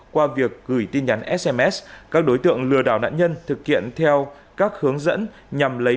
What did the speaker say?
qua việc gửi tin nhắn sms các đối tượng lừa đảo nạn nhân thực hiện theo các hướng dẫn nhằm lấy